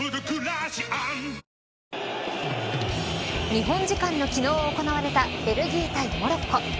日本時間の昨日行われたベルギー対モロッコ。